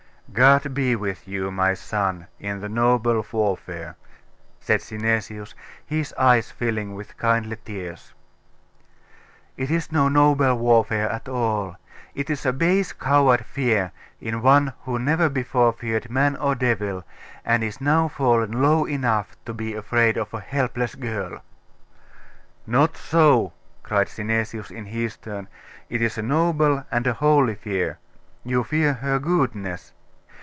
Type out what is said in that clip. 'God be with you, my son, in the noble warfare!' said Synesius, his eyes filling with kindly tears. 'It is no noble warfare at all. It is a base coward fear, in one who never before feared man or devil, and is now fallen low enough to be afraid of a helpless girl!' 'Not so,' cried Synesius, in his turn; 'it is a noble and a holy fear. You fear her goodness.